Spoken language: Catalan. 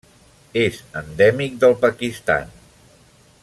És endèmic del Pakistan.